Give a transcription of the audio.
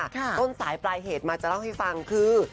ต้นสายปลายเหตุมาจะเล่าให้ฟังคือ